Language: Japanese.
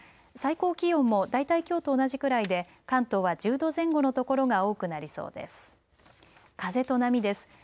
最高気温も大体きょうと同じくらいで関東は１０度前後の所が多くなりそうです。